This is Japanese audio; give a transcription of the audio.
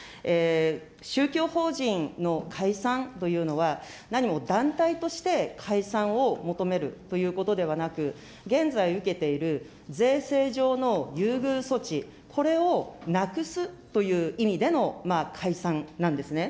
宗教法人の解散というのは、何も団体として解散を求めるということではなく、現在受けている税制上の優遇措置、これをなくすという意味での解散なんですね。